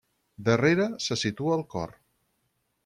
Darrere se situa el cor.